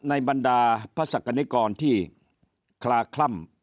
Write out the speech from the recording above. บรรดาพระศักดิกรที่คลาคล่ำ